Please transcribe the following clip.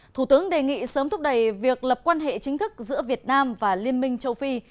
thủ tướng đề nghị sớm thúc đẩy việc lập quan hệ chính thức giữa việt nam và liên minh châu phi